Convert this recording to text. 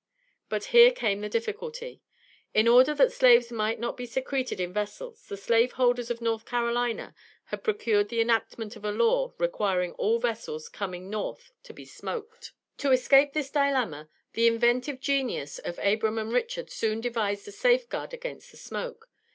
But here came the difficulty. In order that slaves might not be secreted in vessels, the slave holders of North Carolina had procured the enactment of a law requiring all vessels coming North to be smoked. To escape this dilemma, the inventive genius of Abram and Richard soon devised a safe guard against the smoke.